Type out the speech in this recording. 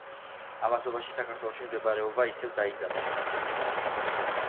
ამასობაში საქართველოში მდგომარეობა ისევ დაიძაბა.